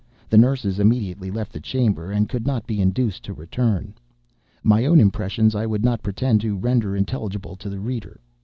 The nurses immediately left the chamber, and could not be induced to return. My own impressions I would not pretend to render intelligible to the reader.